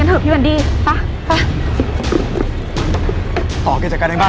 หรือว่า